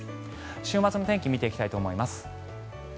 週末の天気見ていきたいと思います。